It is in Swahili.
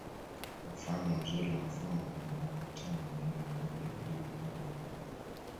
Mfano mzuri wa mfumo wenye namba tano ni nne moja mbili moja mbili